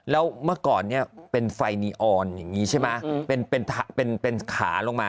แล้วเมื่อก่อนเนี่ยเป็นไฟนีออนอย่างนี้ใช่ไหมเป็นขาลงมา